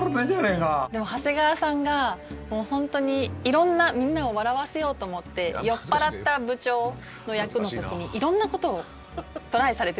でも長谷川さんが本当にいろんなみんなを笑わせようと思って酔っ払った部長の役の時にいろんなことをトライされてたんですね。